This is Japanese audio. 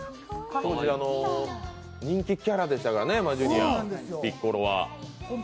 当時、人気キャラでしたからね、マジュニア、ピッコロは。